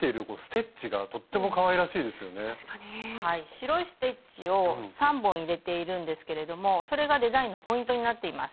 白いステッチを３本入れているんですけれどもそれがデザインのポイントになっています。